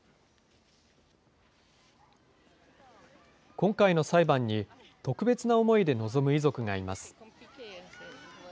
今回の裁判に、特別な思いで臨む遺族がいます。